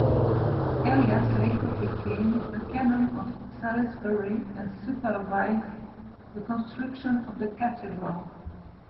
Elias later became a canon of Salisbury and supervised the construction of the cathedral.